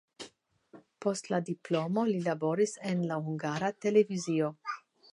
Post la diplomo li laboris en la Hungara Televizio.